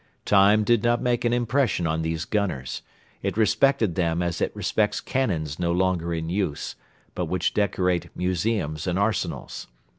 Time did not make an impression on these gunners; it respected them as it respects cannons no longer in use, but which decorate museums and arsenals.